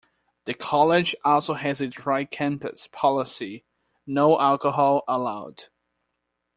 The College also has a "dry campus" policy - no alcohol allowed.